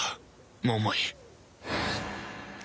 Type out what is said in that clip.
桃井